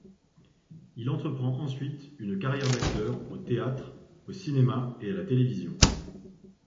Il entreprend ensuite une carrière d'acteur au théâtre, au cinéma et à la télévision.